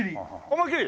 思いきり！